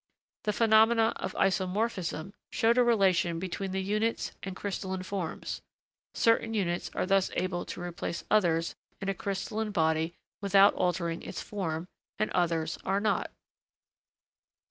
The phenomena of isomorphism showed a relation between the units and crystalline forms; certain units are thus able to replace others in a crystalline body without altering its form, and others are not.